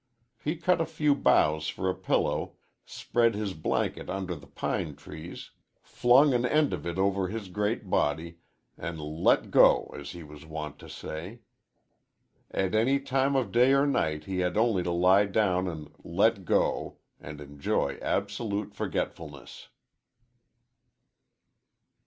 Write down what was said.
He cut a few boughs for a pillow, spread his blanket under the pine trees, flung an end of it over his great body, and "let go," as he was wont to say. At any time of day or night he had only to lie down and "let go," and enjoy absolute forgetfulness.